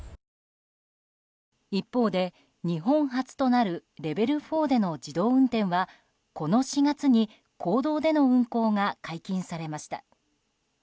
一方で日本初となるレベル４での自動運転はこの４月に公道での運行が解禁されました。